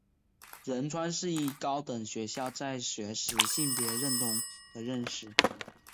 仁川世一高等学校在学时性别认同的认识。